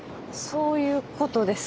そういうことですね。